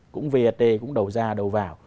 cũng vat cũng đầu ra đầu vào